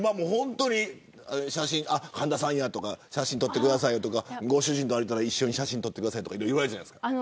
神田さんは写真撮ってくださいとかご主人と歩いていたら一緒に写真撮ってくださいとかいろいろ言われるじゃないですか。